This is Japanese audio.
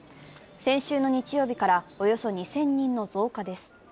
先週の日曜日からおよそ２０００人の増加です。